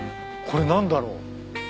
これ何だろう？